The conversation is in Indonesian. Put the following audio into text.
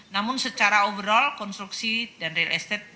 namun secara overall konstruksi dan real estate